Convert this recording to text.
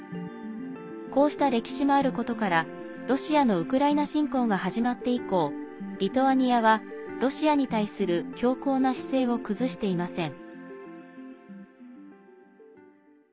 こうした歴史もあることからロシアのウクライナ侵攻が始まって以降リトアニアはロシアに対する強硬な姿勢を崩していません。